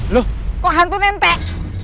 loh kok hantu nentek